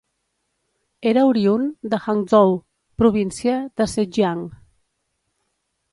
Era oriünd de Hangzhou, província de Zhejiang.